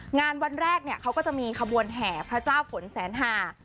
งานวันแรกเนี่ยเขาก็จะมีขบวนแห่พระเจ้าฝนแสนหา